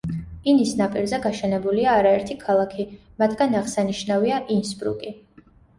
ინის ნაპირზე გაშენებულია არაერთი ქალაქი, მათგან აღსანიშნავია ინსბრუკი.